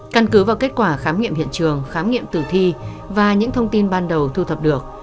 căn cứ vào kết quả khám nghiệm hiện trường khám nghiệm tử thi và những thông tin ban đầu thu thập được